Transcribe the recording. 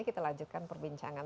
kita lanjutkan perbincangan